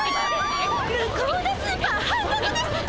向こうのスーパー半額ですって！